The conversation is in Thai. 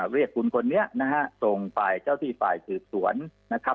เรียกคุณคนนี้นะฮะส่งฝ่ายเจ้าที่ฝ่ายสืบสวนนะครับ